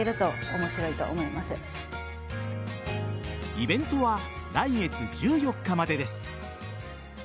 イベントは来月１４日までです。